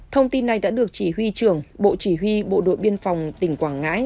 thông tin này đã được chỉ huy trưởng bộ chỉ huy bộ đội biên phòng tỉnh quảng ngãi